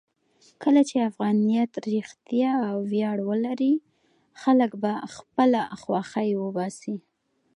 کله چې افغانیت رښتیا ویاړ ولري، خلک به خپله خوښۍ وباسي.